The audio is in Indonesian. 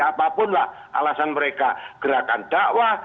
apapun lah alasan mereka gerakan dakwah